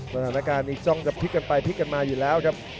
สถานการณ์นี้จ้องจะพลิกกันไปพลิกกันมาอยู่แล้วครับ